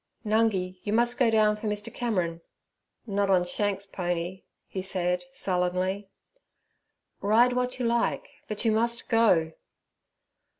'Nungi, you must go down for Mr. Cameron.' 'Not on Shanks's pony' he said sullenly. 'Ride what you like, but you must go.'